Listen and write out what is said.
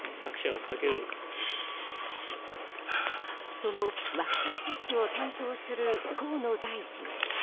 そのワクチン接種を担当する河野大臣。